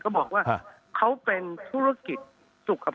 ก็บอกว่าเขาเป็นธุรกิจสุขภาพ